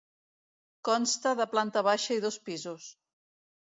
Consta de planta baixa i dos pisos.